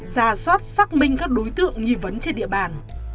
ra soát xác minh các đối tượng nghi vấn trên địa bàn